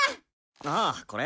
ああこれ？